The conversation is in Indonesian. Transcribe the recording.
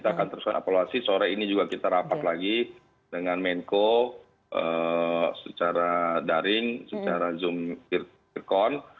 kita akan teruskan evaluasi sore ini juga kita rapat lagi dengan menko secara daring secara zoom